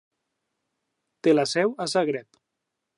Té la seu a Zagreb.